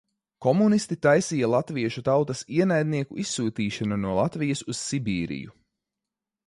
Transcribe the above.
"Komunisti taisīja latviešu tautas "ienaidnieku" izsūtīšanu no Latvijas uz Sibīriju."